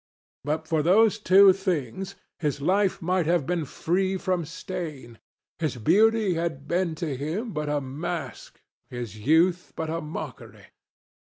But for those two things, his life might have been free from stain. His beauty had been to him but a mask, his youth but a mockery.